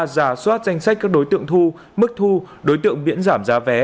giả soát danh sách các đối tượng thu mức thu đối tượng miễn giảm giá vé